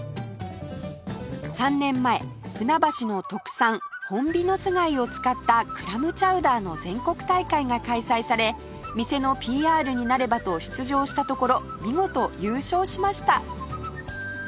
３年前船橋の特産ホンビノス貝を使ったクラムチャウダーの全国大会が開催され店の ＰＲ になればと出場したところ見事優勝しました